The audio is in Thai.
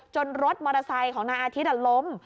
รถมอเตอร์ไซค์ของนายอาทิตย์ล้ม